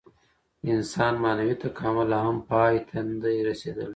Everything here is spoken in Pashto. د انسان معنوي تکامل لا هم پای ته نهدی رسېدلی.